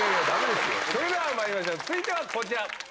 それではまいりましょう、続いてはこちら。